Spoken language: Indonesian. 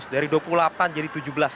dari dua puluh delapan jadi tujuh belas